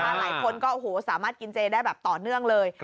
หลายคนก็โอ้โหสามารถกินเจได้แบบต่อเนื่องเลย